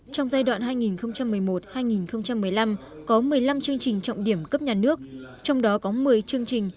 trong giai đoạn hai nghìn một mươi một hai nghìn một mươi năm có một mươi năm chương trình trọng điểm cấp nhà nước trong đó có một mươi chương trình